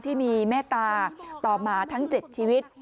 ที่มีเมตตาต่อมาทั้ง๗ชีวิต